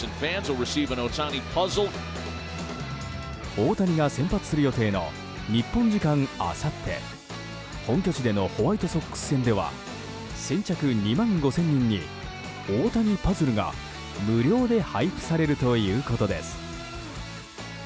大谷が先発する予定の日本時間あさって本拠地でのホワイトソックス戦では先着２万５０００人に大谷パズルが無料で配布されるということです。